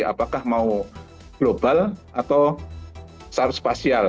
apakah mau global atau secara spasial